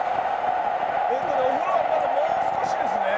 えっとね、お風呂はまだもう少しですね。